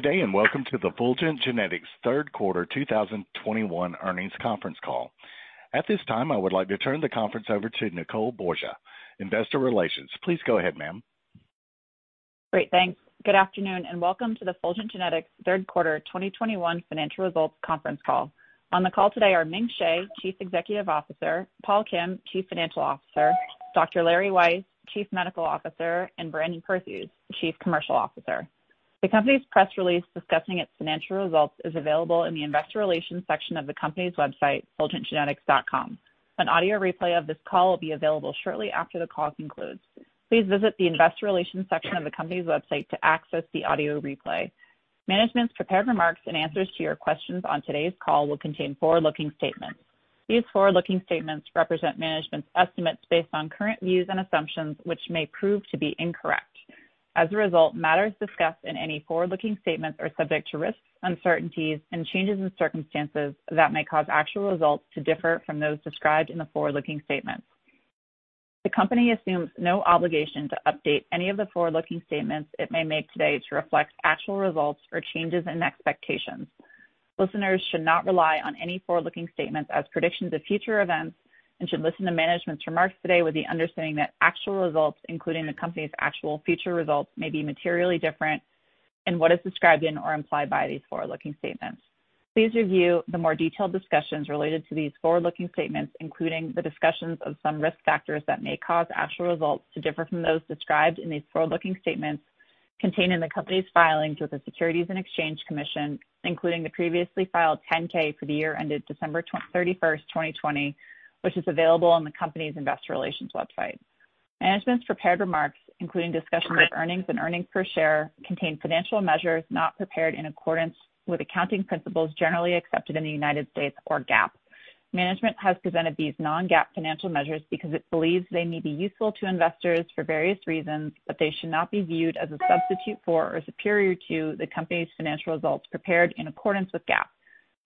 Good day, and welcome to the Fulgent Genetics third quarter 2021 earnings conference call. At this time, I would like to turn the conference over to Nicole Borsje, Investor Relations. Please go ahead, ma'am. Great. Thanks. Good afternoon, and welcome to the Fulgent Genetics third quarter 2021 financial results conference call. On the call today are Ming Hsieh, Chief Executive Officer, Paul Kim, Chief Financial Officer, Dr. Lawrence Weiss, Chief Medical Officer, and Brandon Perthuis, Chief Commercial Officer. The company's press release discussing its financial results is available in the investor relations section of the company's website, fulgentgenetics.com. An audio replay of this call will be available shortly after the call concludes. Please visit the investor relations section of the company's website to access the audio replay. Management's prepared remarks and answers to your questions on today's call will contain Forward-Looking statements. These Forward-Looking statements represent management's estimates based on current views and assumptions, which may prove to be incorrect. As a result, matters discussed in any Forward-Looking statements are subject to risks, uncertainties, and changes in circumstances that may cause actual results to differ from those described in the Forward-Looking statements. The company assumes no obligation to update any of the Forward-Looking statements it may make today to reflect actual results or changes in expectations. Listeners should not rely on any Forward-Looking statements as predictions of future events and should listen to management's remarks today with the understanding that actual results, including the company's actual future results, may be materially different in what is described in or implied by these Forward-Looking statements. Please review the more detailed discussions related to these Forward-Looking statements, including the discussions of some risk factors that may cause actual results to differ from those described in these Forward-Looking statements contained in the company's filings with the Securities and Exchange Commission, including the previously filed 10-K for the year ended December 31, 2020, which is available on the company's investor relations website. Management's prepared remarks, including discussions of earnings and earnings per share, contain financial measures not prepared in accordance with accounting principles generally accepted in the United States or GAAP. Management has presented these Non-GAAP financial measures because it believes they may be useful to investors for various reasons, but they should not be viewed as a substitute for or superior to the company's financial results prepared in accordance with GAAP.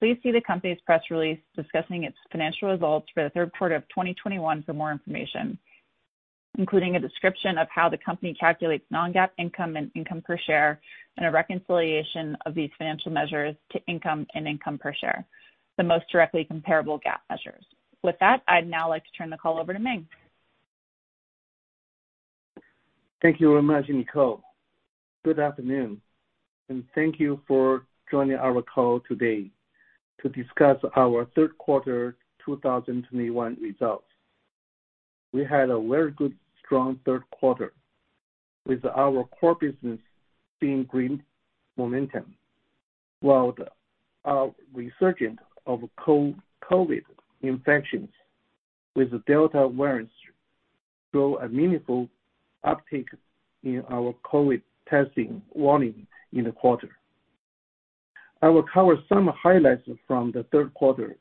Please see the company's press release discussing its financial results for the third quarter of 2021 for more information, including a description of how the company calculates Non-GAAP income and income per share, and a reconciliation of these financial measures to income and income per share, the most directly comparable GAAP measures. With that, I'd now like to turn the call over to Ming. Thank you very much, Nicole. Good afternoon, and thank you for joining our call today to discuss our third quarter 2021 results. We had a very good strong third quarter, with our core business seeing great momentum, while the resurgence of COVID infections with the Delta variant show a meaningful uptick in our COVID testing volume in the 1/4. I will cover some highlights from the third quarter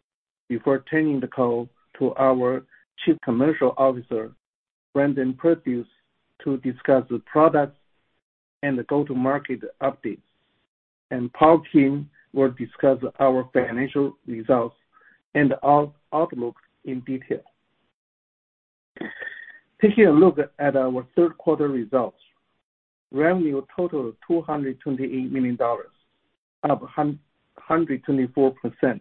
before turning the call to our Chief Commercial Officer, Brandon Perthuis, to discuss the products and the Go-To-Market updates. Paul Kim will discuss our financial results and outlook in detail. Taking a look at our third quarter results, revenue totaled $228 million, up 124%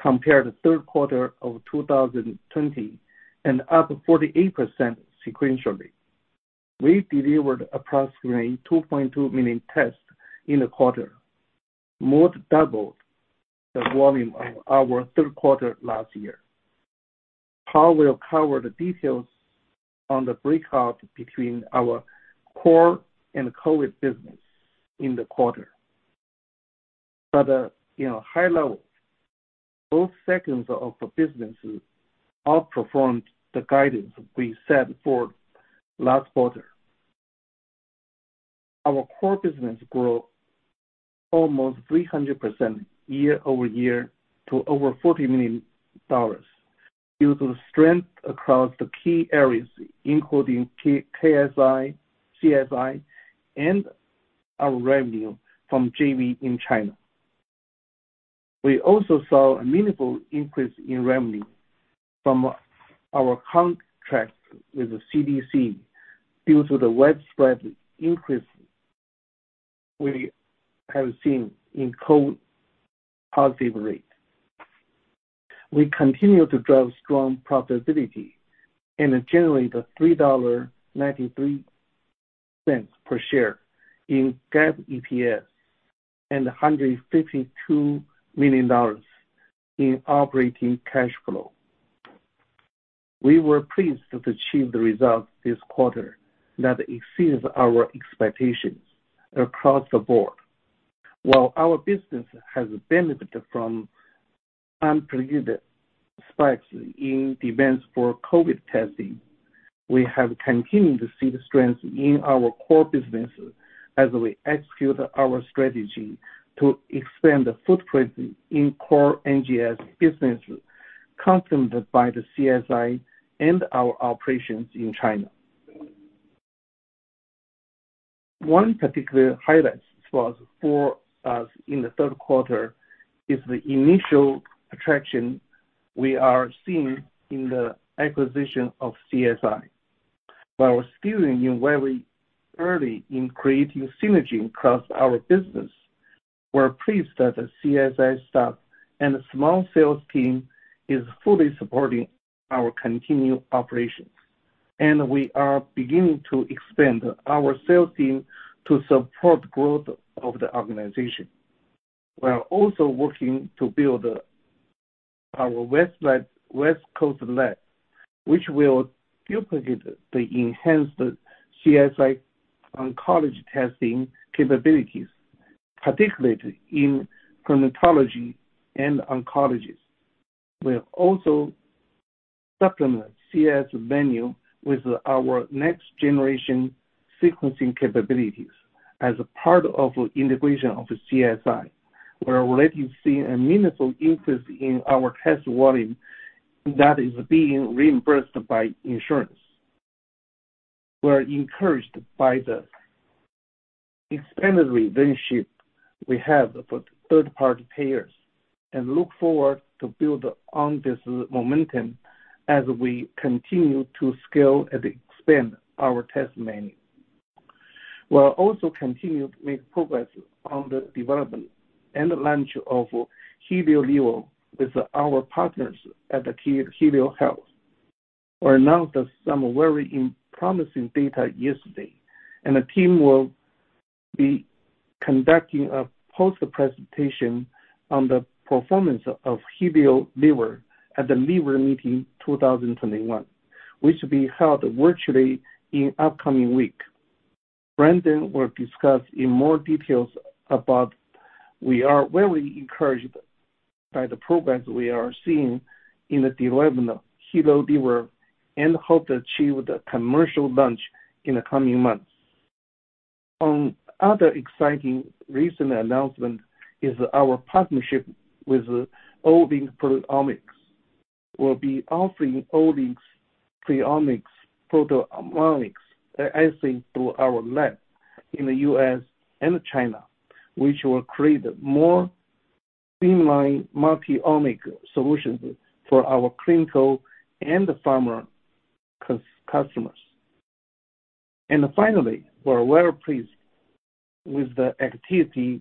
compared to third quarter of 2020, and up 48% sequentially. We delivered approximately 2.2 million tests in the 1/4, more than double the volume of our third quarter last year. Paul will cover the details on the breakdown between our core and COVID business in the 1/4. You know, high level, both segments of the business outperformed the guidance we set forth last 1/4. Our core business grew almost 300% Year-Over-Year to over $40 million due to the strength across the key areas, including NGS, CSI, and our revenue from JV in China. We also saw a meaningful increase in revenue from our contract with the CDC due to the widespread increase we have seen in COVID positivity rate. We continue to drive strong profitability and generate $3.93 per share in GAAP EPS and $152 million in operating cash flow. We were pleased to achieve the results this 1/4 that exceeds our expectations across the board. While our business has benefited from unprecedented spikes in demands for COVID testing, we have continued to see the strength in our core business as we execute our strategy to expand the footprint in core NGS business, complemented by the CSI and our operations in China. One particular highlight for us in the third quarter is the initial traction we are seeing in the acquisition of CSI. While still very early in creating synergy across our business, we're pleased that the CSI staff and the small sales team is fully supporting our continued operations. We are beginning to expand our sales team to support growth of the organization. We are also working to build our West Coast lab, which will duplicate the enhanced CSI oncology testing capabilities, particularly in hematology and oncology. We have also supplemented CSI menu with our next generation sequencing capabilities as a part of integration of CSI. We are already seeing a meaningful increase in our test volume that is being reimbursed by insurance. We are encouraged by the expanded relationship we have with third-party payers, and look forward to building on this momentum as we continue to scale and expand our test menu. We'll also continue to make progress on the development and the launch of HelioLiver with our partners at Helio Health. We announced some very promising data yesterday, and the team will be conducting a poster presentation on the performance of HelioLiver at The Liver Meeting 2021, which will be held virtually in upcoming week. Brandon will discuss in more details about. We are very encouraged by the progress we are seeing in the development of HelioLiver and hope to achieve the commercial launch in the coming months. One other exciting recent announcement is our partnership with Olink Proteomics. We'll be offering Olink's proteomics assay through our lab in the U.S. and China, which will create more streamlined multi-omic solutions for our clinical and pharma customers. Finally, we're well pleased with the activity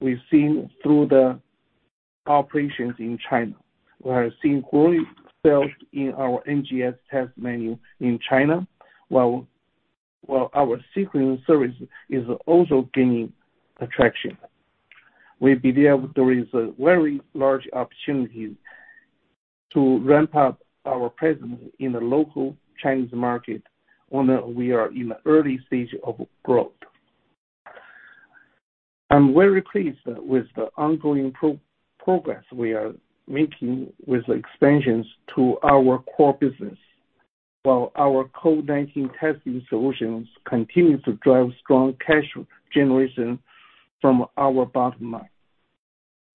we've seen through the operations in China. We are seeing growth in our NGS test menu in China, while our sequencing service is also gaining traction. We believe there is a very large opportunity to ramp up our presence in the local Chinese market, although we are in the early stage of growth. I'm very pleased with the ongoing progress we are making with expansions to our core business, while our COVID-19 testing solutions continue to drive strong cash generation from our bottom line.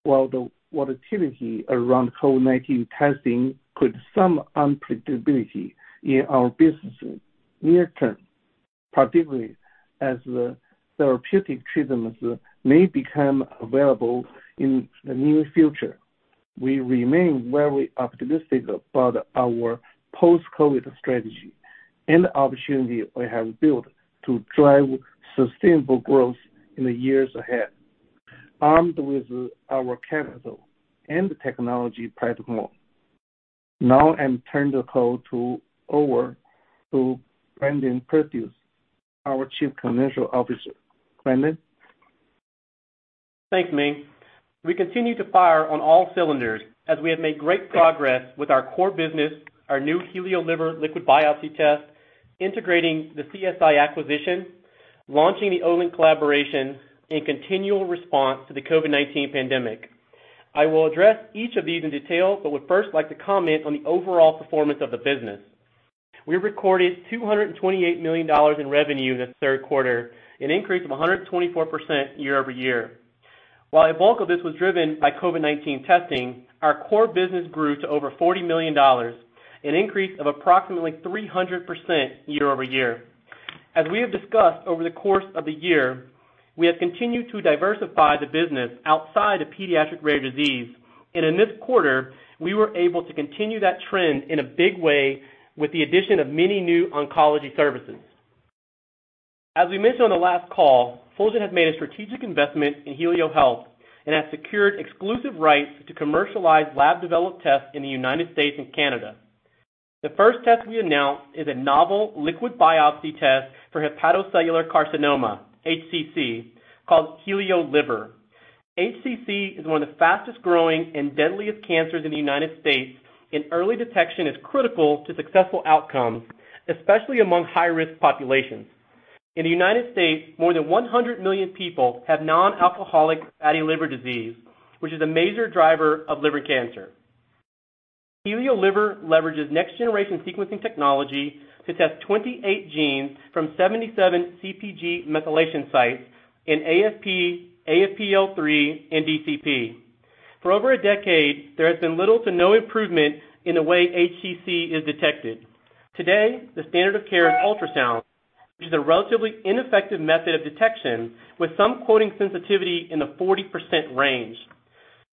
While the volatility around COVID-19 testing could bring some unpredictability in our business near term, particularly as therapeutic treatments may become available in the near future, we remain very optimistic about our Post-COVID strategy and the opportunity we have built to drive sustainable growth in the years ahead, armed with our capital and technology platform. Now I'll turn the call over to Brandon Perthuis, our Chief Commercial Officer. Brandon? Thanks, Ming. We continue to fire on all cylinders as we have made great progress with our core business, our new HelioLiver liquid biopsy test, integrating the CSI acquisition, launching the Olink collaboration, and continual response to the COVID-19 pandemic. I will address each of these in detail, but would first like to comment on the overall performance of the business. We recorded $228 million in revenue this third quarter, an increase of 124% Year-Over-Year. While a bulk of this was driven by COVID-19 testing, our core business grew to over $40 million, an increase of approximately 300% Year-Over-Year. As we have discussed over the course of the year, we have continued to diversify the business outside of pediatric rare disease, and in this 1/4, we were able to continue that trend in a big way with the addition of many new oncology services. As we mentioned on the last call, Fulgent has made a strategic investment in Helio Health and has secured exclusive rights to commercialize lab-developed tests in the United States and Canada. The first test we announced is a novel liquid biopsy test for hepatocellular carcinoma, HCC, called HelioLiver. HCC is one of the fastest growing and deadliest cancers in the United States, and early detection is critical to successful outcomes, especially among high-risk populations. In the United States, more than 100 million people have non-alcoholic fatty liver disease, which is a major driver of liver cancer. HelioLiver leverages next generation sequencing technology to test 28 genes from 77 CpG methylation sites in AFP-L3, and DCP. For over a decade, there has been little to no improvement in the way HCC is detected. Today, the standard of care is ultrasound, which is a relatively ineffective method of detection with some quoting sensitivity in the 40% range.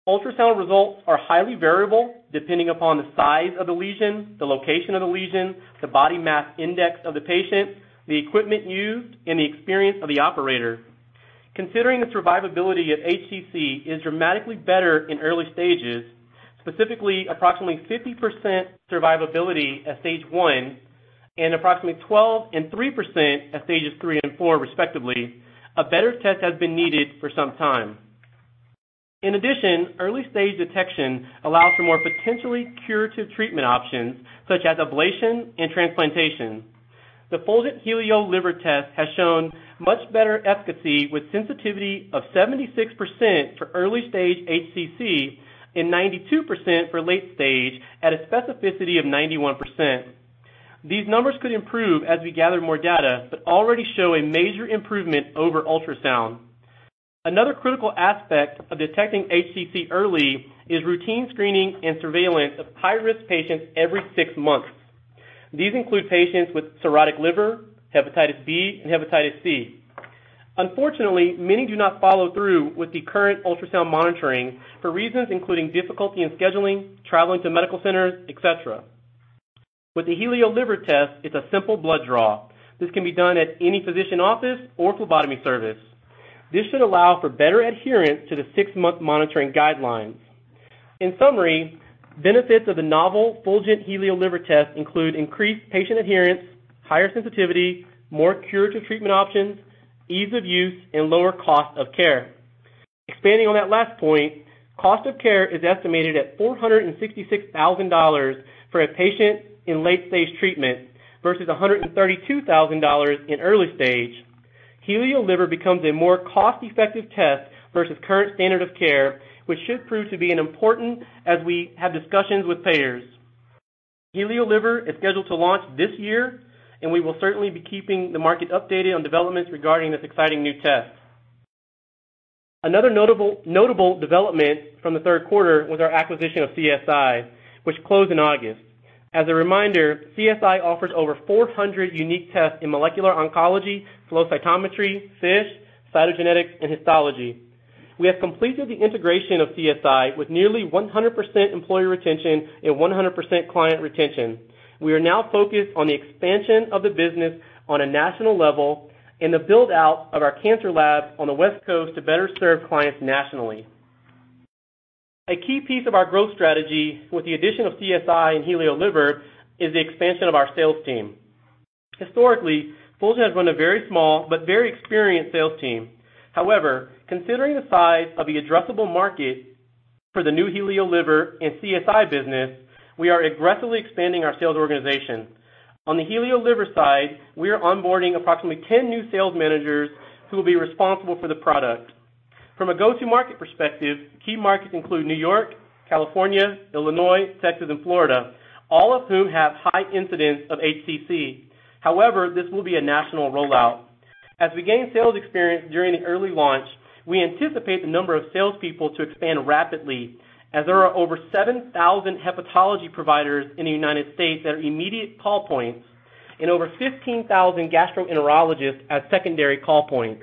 Ultrasound results are highly variable depending upon the size of the lesion, the location of the lesion, the body mass index of the patient, the equipment used, and the experience of the operator. Considering the survivability of HCC is dramatically better in early stages, specifically approximately 50% survivability at stage 1 and approximately 12% and 3% at stages 3 and 4 respectively, a better test has been needed for some time. In addition, early stage detection allows for more potentially curative treatment options such as ablation and transplantation. The Fulgent HelioLiver test has shown much better efficacy with sensitivity of 76% for early stage HCC and 92% for late stage at a specificity of 91%. These numbers could improve as we gather more data, but already show a major improvement over ultrasound. Another critical aspect of detecting HCC early is routine screening and surveillance of high-risk patients every 6 months. These include patients with cirrhotic liver, hepatitis B, and hepatitis C. Unfortunately, many do not follow through with the current ultrasound monitoring for reasons including difficulty in scheduling, traveling to medical centers, et cetera. With the HelioLiver test, it's a simple blood draw. This can be done at any physician office or phlebotomy service. This should allow for better adherence to the 6-month monitoring guidelines. In summary, benefits of the novel Fulgent HelioLiver test include increased patient adherence, higher sensitivity, more curative treatment options, ease of use, and lower cost of care. Expanding on that last point, cost of care is estimated at $466,000 for a patient in late stage treatment versus $132,000 in early stage. HelioLiver becomes a more cost-effective test versus current standard of care, which should prove to be an important as we have discussions with payers. HelioLiver is scheduled to launch this year, and we will certainly be keeping the market updated on developments regarding this exciting new test. Another notable development from the third quarter was our acquisition of CSI, which closed in August. As a reminder, CSI offers over 400 unique tests in molecular oncology, flow cytometry, FISH, cytogenetics, and histology. We have completed the integration of CSI with nearly 100% employee retention and 100% client retention. We are now focused on the expansion of the business on a national level and the build-out of our cancer lab on the West Coast to better serve clients nationally. A key piece of our growth strategy with the addition of CSI and HelioLiver is the expansion of our sales team. Historically, Fulgent has run a very small but very experienced sales team. However, considering the size of the addressable market for the new HelioLiver and CSI business, we are aggressively expanding our sales organization. On the HelioLiver side, we are onboarding approximately 10 new sales managers who will be responsible for the product. From a Go-To-Market perspective, key markets include New York, California, Illinois, Texas, and Florida, all of whom have high incidence of HCC. However, this will be a national rollout. As we gain sales experience during the early launch, we anticipate the number of salespeople to expand rapidly as there are over 7,000 hepatology providers in the United States that are immediate call points and over 15,000 gastroenterologists as secondary call points.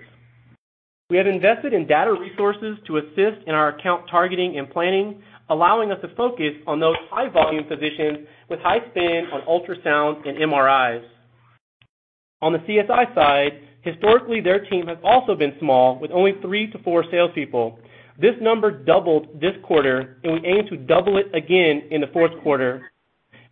We have invested in data resources to assist in our account targeting and planning, allowing us to focus on those high volume physicians with high spend on ultrasound and MRIs. On the CSI side, historically, their team has also been small with only 3 to 4 salespeople. This number doubled this 1/4, and we aim to double it again in the fourth 1/4.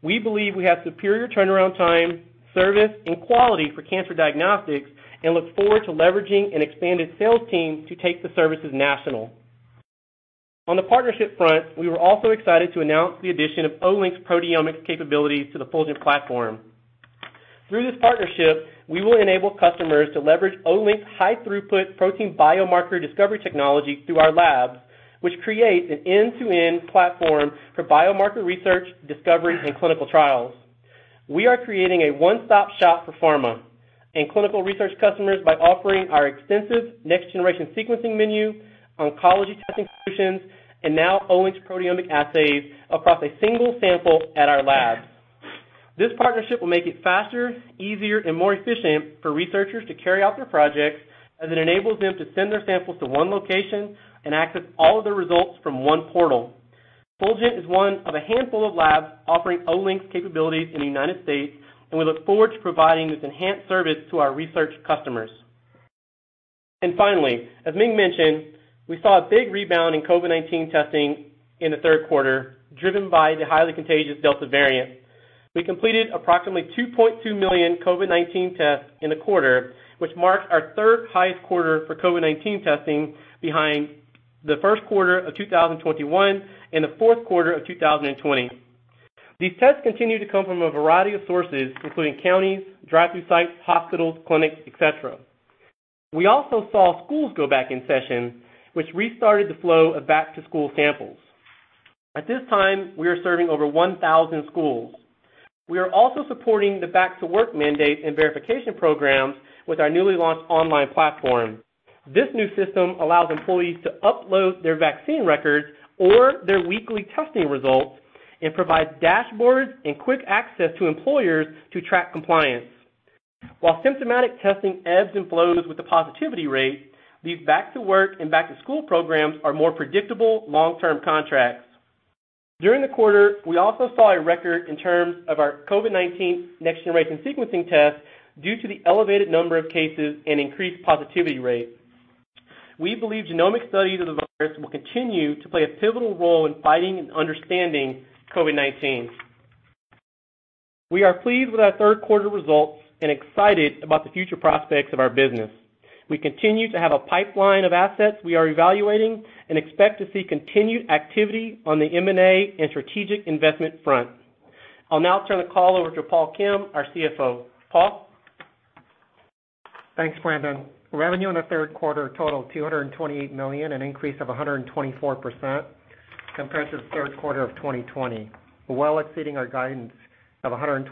We believe we have superior turnaround time, service, and quality for cancer diagnostics and look forward to leveraging an expanded sales team to take the services national. On the partnership front, we were also excited to announce the addition of Olink's proteomic capabilities to the Fulgent platform. Through this partnership, we will enable customers to leverage Olink's high-throughput protein biomarker discovery technology through our labs, which creates an end-to-end platform for biomarker research, discovery, and clinical trials. We are creating a one-stop shop for pharma and clinical research customers by offering our extensive next generation sequencing menu, oncology testing solutions, and now Olink's proteomic assays across a single sample at our lab. This partnership will make it faster, easier, and more efficient for researchers to carry out their projects as it enables them to send their samples to one location and access all of the results from one portal. Fulgent is one of a handful of labs offering Olink's capabilities in the United States, and we look forward to providing this enhanced service to our research customers. Finally, as Ming mentioned, we saw a big rebound in COVID-19 testing in the third quarter, driven by the highly contagious Delta variant. We completed approximately 2.2 million COVID-19 tests in the 1/4, which marks our 1/3 highest 1/4 for COVID-19 testing behind the first 1/4 of 2021 and the fourth 1/4 of 2020. These tests continue to come from a variety of sources, including counties, drive-through sites, hospitals, clinics, et cetera. We also saw schools go back in session, which restarted the flow of back-to-school samples. At this time, we are serving over 1,000 schools. We are also supporting the back-to-work mandate and verification programs with our newly launched online platform. This new system allows employees to upload their vaccine records or their weekly testing results and provides dashboards and quick access to employers to track compliance. While symptomatic testing ebbs and flows with the positivity rate, these back to work and back to school programs are more predictable long-term contracts. During the 1/4, we also saw a record in terms of our COVID-19 next generation sequencing test due to the elevated number of cases and increased positivity rate. We believe genomic studies of the virus will continue to play a pivotal role in fighting and understanding COVID-19. We are pleased with our third quarter results and excited about the future prospects of our business. We continue to have a pipeline of assets we are evaluating and expect to see continued activity on the M&A and strategic investment front. I'll now turn the call over to Paul Kim, our CFO. Paul? Thanks, Brandon. Revenue in the third quarter totaled $228 million, an increase of 124% compared to the third quarter of 2020, well exceeding our guidance of $125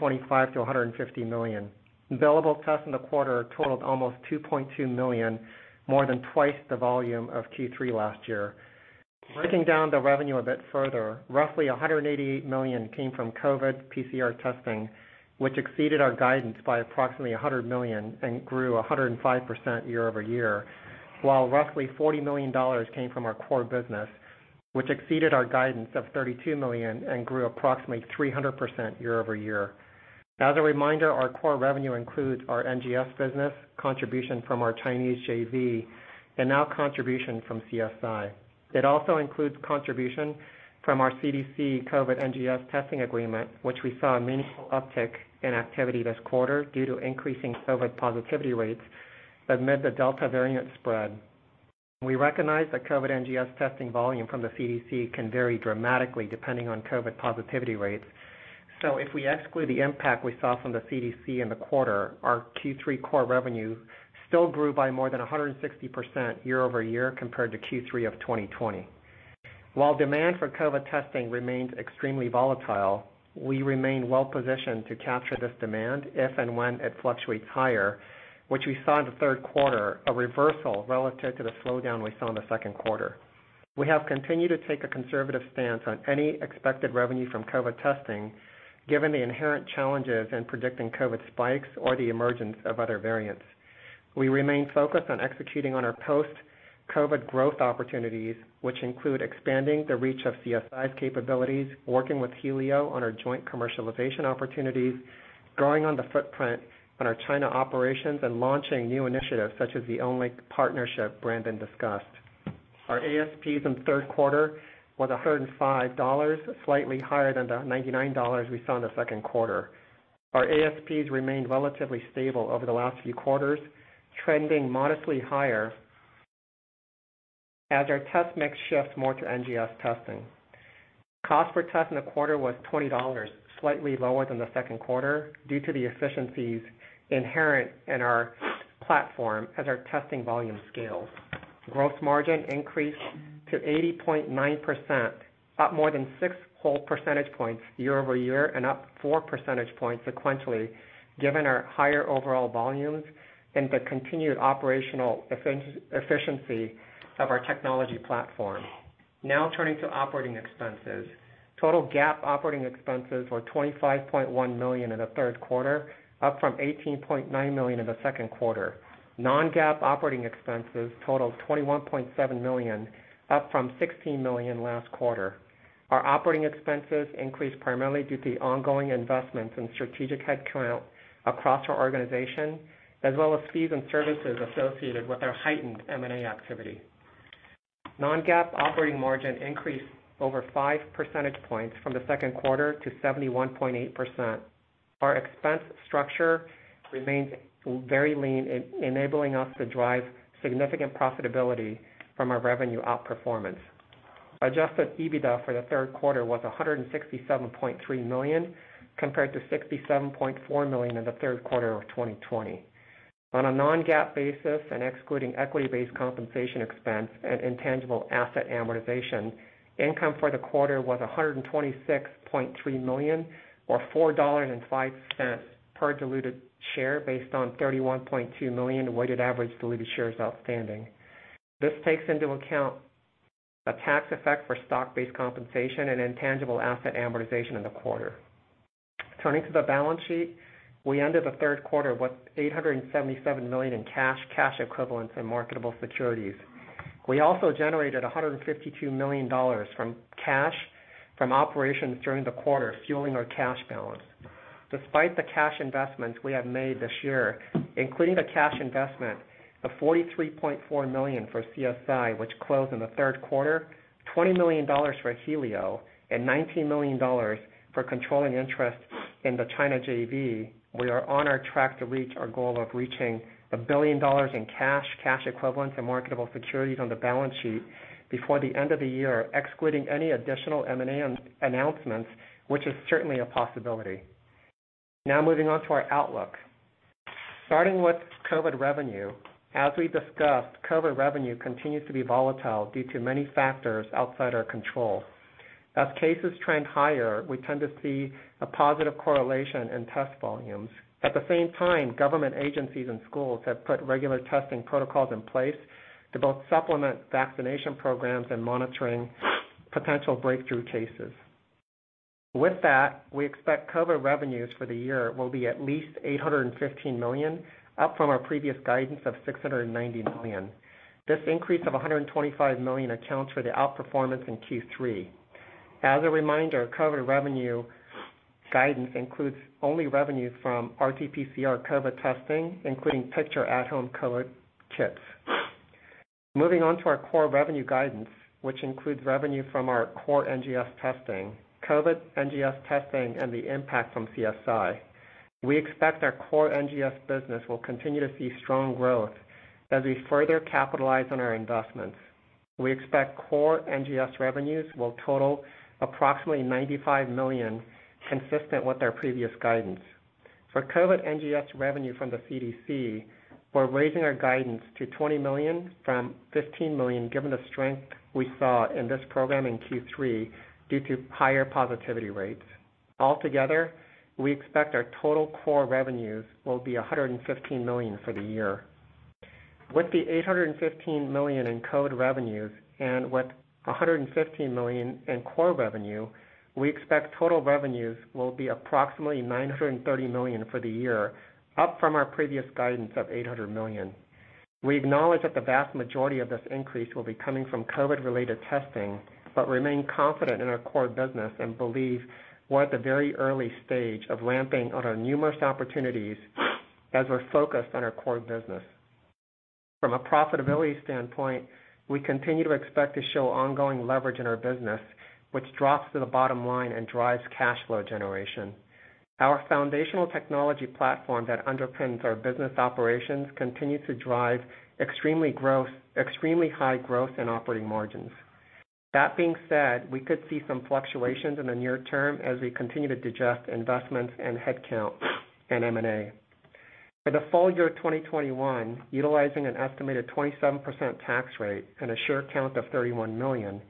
million-$150 million. Billable tests in the 1/4 totaled almost 2.2 million, more than twice the volume of Q3 last year. Breaking down the revenue a bit further, roughly $188 million came from COVID PCR testing, which exceeded our guidance by approximately $100 million and grew 105% Year-Over-Year, while roughly $40 million came from our core business, which exceeded our guidance of $32 million and grew approximately 300% Year-Over-Year. As a reminder, our core revenue includes our NGS business, contribution from our Chinese JV, and now contribution from CSI. It also includes contribution from our CDC COVID NGS testing agreement, which we saw a meaningful uptick in activity this 1/4 due to increasing COVID positivity rates amid the Delta variant spread. We recognize that COVID NGS testing volume from the CDC can vary dramatically depending on COVID positivity rates. If we exclude the impact we saw from the CDC in the 1/4, our Q3 core revenue still grew by more than 160% Year-Over-Year compared to Q3 of 2020. While demand for COVID testing remains extremely volatile, we remain well positioned to capture this demand if and when it fluctuates higher, which we saw in the third quarter, a reversal relative to the slowdown we saw in the second 1/4. We have continued to take a conservative stance on any expected revenue from COVID testing, given the inherent challenges in predicting COVID spikes or the emergence of other variants. We remain focused on executing on our Post-COVID growth opportunities, which include expanding the reach of CSI's capabilities, working with Helio on our joint commercialization opportunities, growing on the footprint on our China operations, and launching new initiatives such as the Olink partnership Brandon discussed. Our ASPs in the third quarter was $105, slightly higher than the $99 we saw in the second 1/4. Our ASPs remained relatively stable over the last few quarters, trending modestly higher as our test mix shifts more to NGS testing. Cost per test in the 1/4 was $20, slightly lower than the second 1/4 due to the efficiencies inherent in our platform as our testing volume scales. Gross margin increased to 80.9%, up more than six whole percentage points Year-Over-Year and up four percentage points sequentially, given our higher overall volumes and the continued operational efficiency of our technology platform. Now turning to operating expenses. Total GAAP operating expenses were $25.1 million in the third quarter, up from $18.9 million in the second 1/4. Non-GAAP operating expenses totaled $21.7 million, up from $16 million last 1/4. Our operating expenses increased primarily due to ongoing investments in strategic headcount across our organization, as well as fees and services associated with our heightened M&A activity. Non-GAAP operating margin increased over five percentage points from the second 1/4 to 71.8%. Our expense structure remains very lean, enabling us to drive significant profitability from our revenue outperformance. Adjusted EBITDA for the third quarter was $167.3 million, compared to $67.4 million in the third quarter of 2020. On a Non-GAAP basis and excluding equity-based compensation expense and intangible asset amortization, income for the 1/4 was $126.3 million, or $4.05 per diluted share based on 31.2 million weighted average diluted shares outstanding. This takes into account the tax effect for stock-based compensation and intangible asset amortization in the 1/4. Turning to the balance sheet. We ended the third quarter with $877 million in cash equivalents, and marketable securities. We also generated $152 million from cash from operations during the 1/4, fueling our cash balance. Despite the cash investments we have made this year, including the cash investment of $43.4 million for CSI, which closed in the third quarter, $20 million for Helio, and $19 million for controlling interest in the China JV, we are on track to reach our goal of reaching $1 billion in cash equivalents, and marketable securities on the balance sheet before the end of the year, excluding any additional M&A announcements, which is certainly a possibility. Now moving on to our outlook. Starting with COVID revenue, as we discussed, COVID revenue continues to be volatile due to many factors outside our control. As cases trend higher, we tend to see a positive correlation in test volumes. At the same time, government agencies and schools have put regular testing protocols in place to both supplement vaccination programs and monitoring potential breakthrough cases. With that, we expect COVID revenues for the year will be at least $815 million, up from our previous guidance of $690 million. This increase of $125 million accounts for the outperformance in Q3. As a reminder, COVID revenue guidance includes only revenue from RT-PCR COVID testing, including Picture at-home COVID kits. Moving on to our core revenue guidance, which includes revenue from our core NGS testing, COVID NGS testing, and the impact from CSI. We expect our core NGS business will continue to see strong growth as we further capitalize on our investments. We expect core NGS revenues will total approximately $95 million, consistent with our previous guidance. For COVID NGS revenue from the CDC, we're raising our guidance to $20 million from $15 million, given the strength we saw in this program in Q3 due to higher positivity rates. Altogether, we expect our total core revenues will be $115 million for the year. With the $815 million in COVID revenues and with $115 million in core revenue, we expect total revenues will be approximately $930 million for the year, up from our previous guidance of $800 million. We acknowledge that the vast majority of this increase will be coming from COVID-related testing, but remain confident in our core business and believe we're at the very early stage of ramping on our numerous opportunities as we're focused on our core business. From a profitability standpoint, we continue to expect to show ongoing leverage in our business, which drops to the bottom line and drives cash flow generation. Our foundational technology platform that underpins our business operations continues to drive extremely high growth and operating margins. That being said, we could see some fluctuations in the near term as we continue to digest investments and headcount in M&A. For the full year 2021, utilizing an estimated 27% tax rate and a share count of 31 million,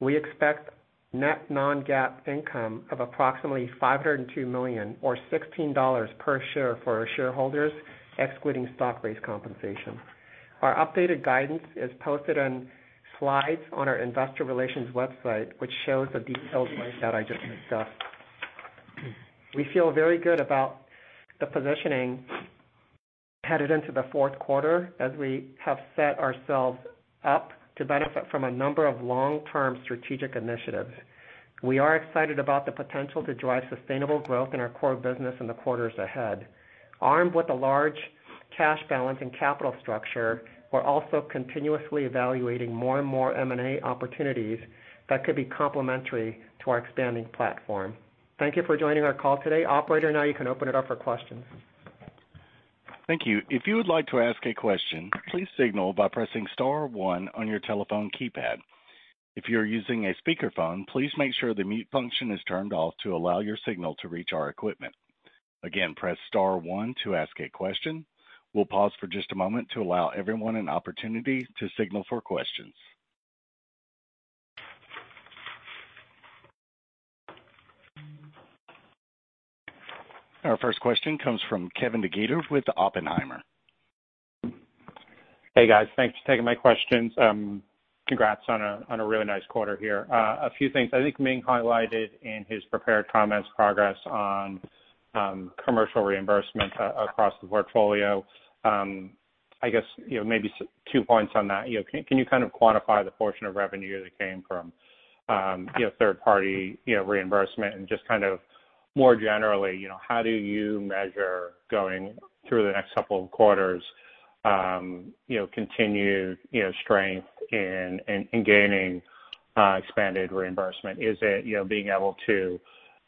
we expect net Non-GAAP income of approximately $502 million or $16 per share for our shareholders, excluding stock-based compensation. Our updated guidance is posted on slides on our investor relations website, which shows the details that I just discussed. We feel very good about the positioning headed into the fourth 1/4 as we have set ourselves up to benefit from a number of long-term strategic initiatives. We are excited about the potential to drive sustainable growth in our core business in the quarters ahead. Armed with a large cash balance and capital structure, we're also continuously evaluating more and more M&A opportunities that could be complementary to our expanding platform. Thank you for joining our call today. Operator, now you can open it up for questions. Thank you. If you would like to ask a question, please signal by pressing star one on your telephone keypad. If you're using a speakerphone, please make sure the mute function is turned off to allow your signal to reach our equipment. Again, press star one to ask a question. We'll pause for just a moment to allow everyone an opportunity to signal for questions. Our first question comes from Kevin DeGeeter with Oppenheimer. Hey, guys. Thanks for taking my questions. Congrats on a really nice 1/4 here. A few things. I think Ming highlighted in his prepared comments progress on commercial reimbursement across the portfolio. I guess, you know, maybe two points on that. You know, can you kind of quantify the portion of revenue that came from 1/3 party reimbursement and just kind of more generally, you know, how do you measure going through the next couple of quarters continued strength in gaining expanded reimbursement? Is it being able to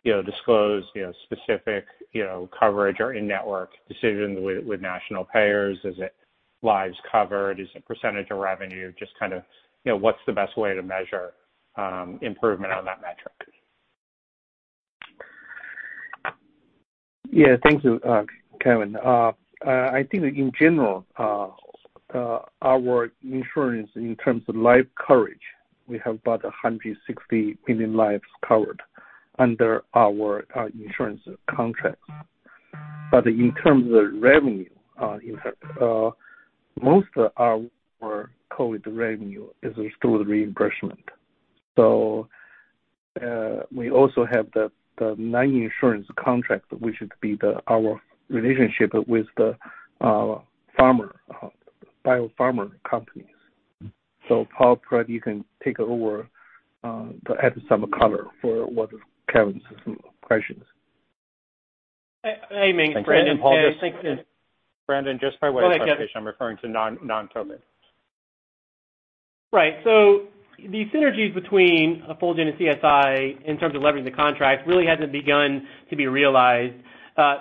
disclose specific coverage or in-network decisions with national payers? Is it lives covered? Is it percentage of revenue? Just kind of, you know, what's the best way to measure improvement on that metric? Yeah. Thank you, Kevin. I think in general, our insurance in terms of life coverage, we have about 160 million lives covered under our insurance contracts. In terms of revenue, most of our COVID revenue is through the reimbursement. We also have the nine insurance contracts, which would be our relationship with the pharma biopharma companies. Paul, Fred, you can take over to add some color for what Kevin's question is. Hey Ming, this is Brandon. Brandon, just by way of clarification, I'm referring to non-COVID. Right. The synergies between Fulgent and CSI in terms of leveraging the contract really hasn't begun to be realized.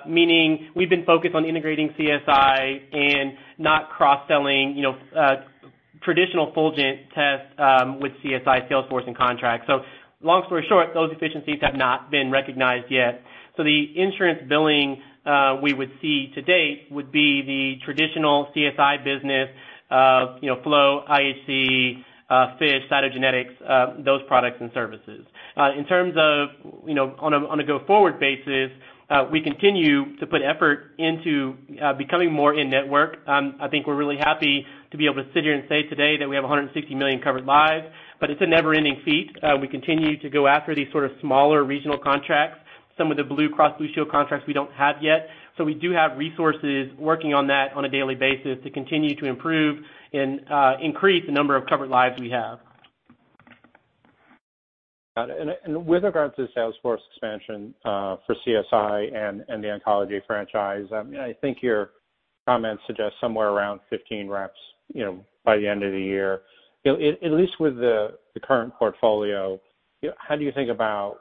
Meaning we've been focused on integrating CSI and not cross-selling, you know, traditional Fulgent tests with CSI sales force and contracts. Long story short, those efficiencies have not been recognized yet. The insurance billing we would see to date would be the traditional CSI business of, you know, flow, IHC, FISH, cytogenetics, those products and services. In terms of, you know, on a go-forward basis, we continue to put effort into becoming more in-network. I think we're really happy to be able to sit here and say today that we have 160 million covered lives, but it's a never-ending feat. We continue to go after these sort of smaller regional contracts. Some of the Blue Cross Blue Shield contracts we don't have yet. We do have resources working on that on a daily basis to continue to improve and increase the number of covered lives we have. Got it. With regards to the sales force expansion, for CSI and the oncology franchise, I think your comments suggest somewhere around 15 reps, you know, by the end of the year. You know, at least with the current portfolio, how do you think about,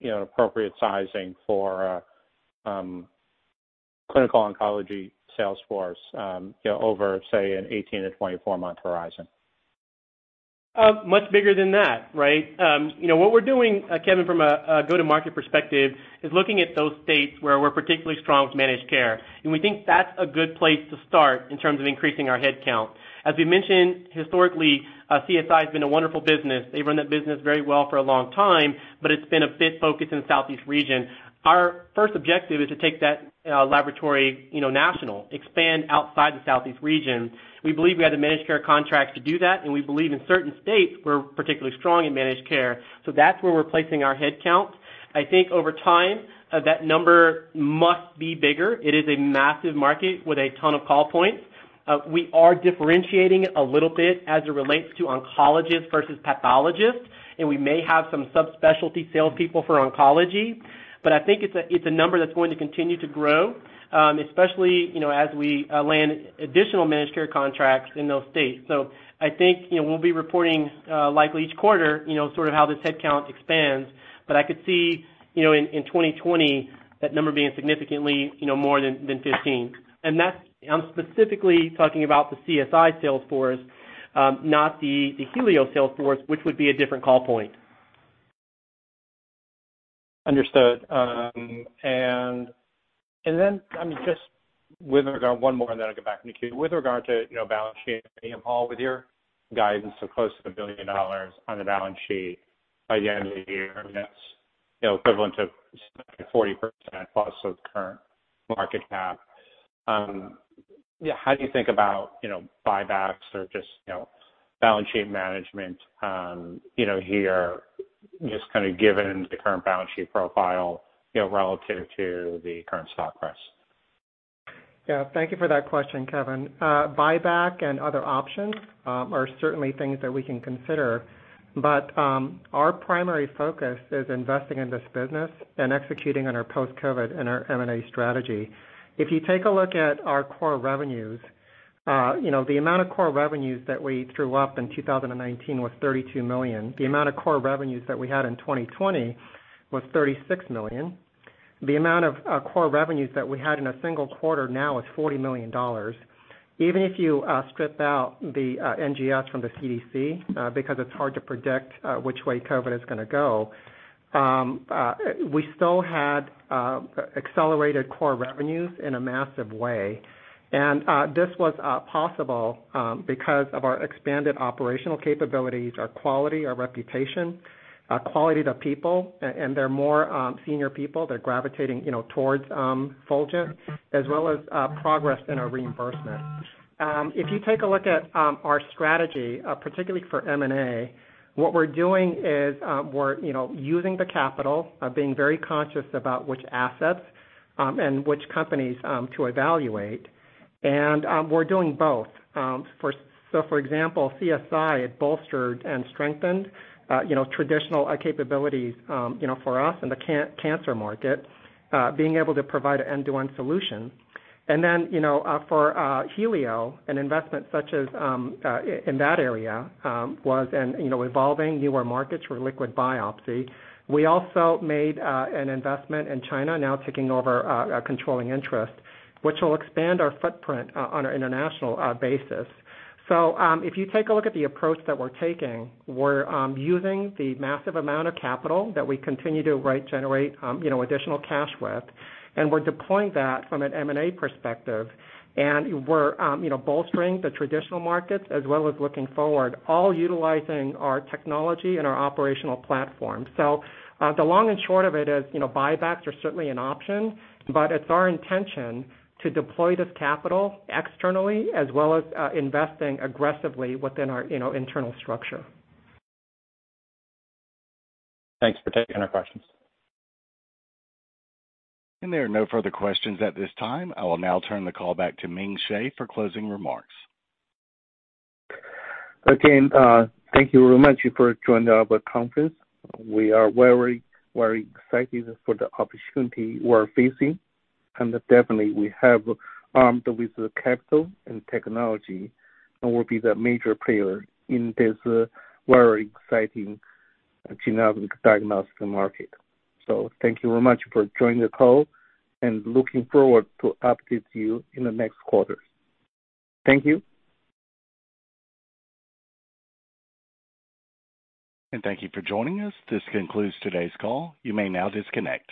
you know, appropriate sizing for a clinical oncology sales force, you know, over, say, an 18-24 month horizon? Much bigger than that, right? You know, what we're doing, Kevin, from a Go-To-Market perspective is looking at those states where we're particularly strong with managed care. We think that's a good place to start in terms of increasing our headcount. As we mentioned, historically, CSI has been a wonderful business. They've run that business very well for a long time, but it's been a bit focused in the Southeast region. Our first objective is to take that laboratory, you know, national, expand outside the Southeast region. We believe we have the managed care contracts to do that, and we believe in certain states we're particularly strong in managed care. So that's where we're placing our headcount. I think over time, that number must be bigger. It is a massive market with a ton of call points. We are differentiating it a little bit as it relates to oncologists versus pathologists, and we may have some subspecialty salespeople for oncology. I think it's a number that's going to continue to grow, especially, you know, as we land additional managed care contracts in those states. I think, you know, we'll be reporting, likely each 1/4, you know, sort of how this headcount expands. I could see, you know, in 2020 that number being significantly, you know, more than 15. That's. I'm specifically talking about the CSI sales force, not the Helio sales force, which would be a different call point. Understood. And then, I mean, just with regard to one more, and then I'll get back in the queue. With regard to, you know, balance sheet and Paul, with your guidance of close to $1 billion on the balance sheet by the end of the year, I mean, that's, you know, equivalent to 40% plus of the current market cap. How do you think about, you know, buybacks or just, you know, balance sheet management, you know, here, just kinda given the current balance sheet profile, you know, relative to the current stock price? Yeah. Thank you for that question, Kevin. Buyback and other options are certainly things that we can consider. Our primary focus is investing in this business and executing on our Post-COVID and our M&A strategy. If you take a look at our core revenues, you know, the amount of core revenues that we threw up in 2019 was $32 million. The amount of core revenues that we had in 2020 was $36 million. The amount of core revenues that we had in a single 1/4 now is $40 million. Even if you strip out the NGS from the CDC, because it's hard to predict which way COVID is gonna go, we still had accelerated core revenues in a massive way. This was possible because of our expanded operational capabilities, our quality, our reputation, quality of the people, and they're more senior people. They're gravitating, you know, towards Fulgent, as well as progress in our reimbursement. If you take a look at our strategy, particularly for M&A, what we're doing is, we're, you know, using the capital, being very conscious about which assets and which companies to evaluate. We're doing both. For example, CSI had bolstered and strengthened, you know, traditional capabilities, you know, for us in the cancer market, being able to provide an end-to-end solution. You know, for Helio, an investment such as in that area was, and, you know, evolving newer markets for liquid biopsy. We also made an investment in China, now taking over a controlling interest, which will expand our footprint on an international basis. If you take a look at the approach that we're taking, we're using the massive amount of capital that we continue to generate additional cash with, and we're deploying that from an M&A perspective. We're bolstering the traditional markets as well as looking forward, all utilizing our technology and our operational platform. The long and short of it is, you know, buybacks are certainly an option, but it's our intention to deploy this capital externally as well as investing aggressively within our internal structure. Thanks for taking our questions. There are no further questions at this time. I will now turn the call back to Ming Hsieh for closing remarks. Again, thank you very much for joining our conference. We are very, very excited for the opportunity we're facing. Definitely we have armed with the capital and technology and will be the major player in this very exciting genomic diagnostic market. Thank you very much for joining the call and looking forward to update you in the next 1/4. Thank you. Thank you for joining us. This concludes today's call. You may now disconnect.